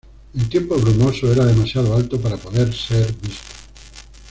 En tiempo brumoso era demasiado alto para poder ser visto.